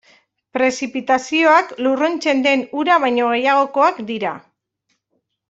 Prezipitazioak lurruntzen den ura baino gehiagokoak dira.